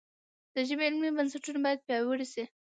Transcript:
د ژبې علمي بنسټونه باید پیاوړي شي.